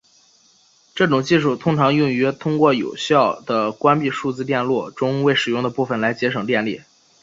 这种技术经常用于通过有效地关闭数字电路中未使用的部分来节省电力。